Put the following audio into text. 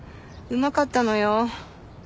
うまかったのよ。